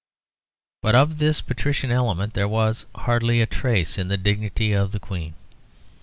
But of this patrician element there was hardly a trace in the dignity of the Queen.